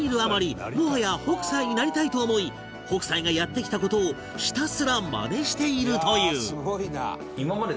もはや北斎になりたいと思い北斎がやってきた事をひたすらマネしているという